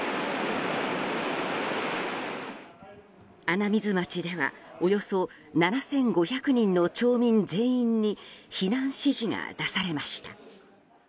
穴水町ではおよそ７５００人の町民全員に避難指示が出されました。